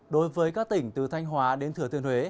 đối với các tỉnh từ thanh hóa đến thừa thiên huế